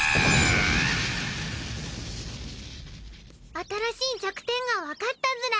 新しい弱点がわかったズラ。